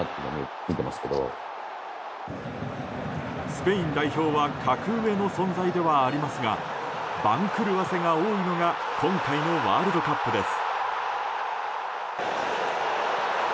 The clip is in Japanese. スペイン代表は格上の存在ではありますが番狂わせが多いのが今回のワールドカップです。